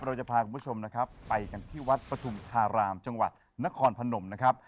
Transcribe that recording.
เราจะพาคุณผู้ชมนะครับไปกันที่วัดปฐุมธารามจังหวัดนครพนมนะครับ